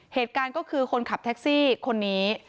เหตุการณ์ก็คือคนขับแท็กซี่คนนี้